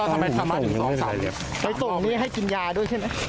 ก็เราทำให้สมมาถึงสองสามไปส่งนี้ให้กินยาด้วยใช่ไหม